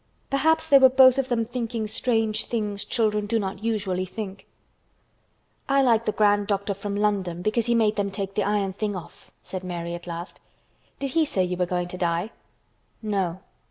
Perhaps they were both of them thinking strange things children do not usually think of. "I like the grand doctor from London, because he made them take the iron thing off," said Mary at last "Did he say you were going to die?" "No."